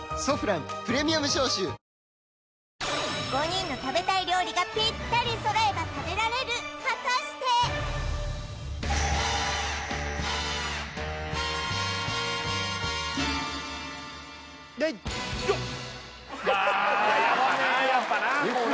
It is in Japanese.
５人の食べたい料理がぴったり揃えば食べられる果たしてあ合わねえよ